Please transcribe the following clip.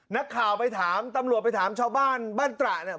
นักข่าวไปถามตำรวจไปถามชาวบ้านบ้านตระเนี่ย